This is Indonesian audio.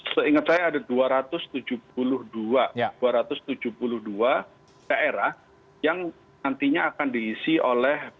seingat saya ada dua ratus tujuh puluh dua dua ratus tujuh puluh dua daerah yang nantinya akan diisi oleh